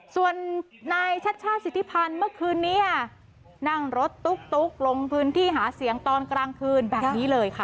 ส่วนนายชัชชาติสิทธิพันธ์เมื่อคืนนี้นั่งรถตุ๊กลงพื้นที่หาเสียงตอนกลางคืนแบบนี้เลยค่ะ